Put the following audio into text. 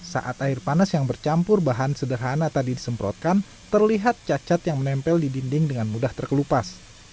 saat air panas yang bercampur bahan sederhana tadi disemprotkan terlihat cacat yang menempel di dinding dengan mudah terkelupas